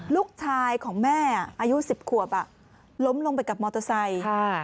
ลูกชายของแม่อายุ๑๐ขวบล้มลงไปกับมอเตอร์ไซค์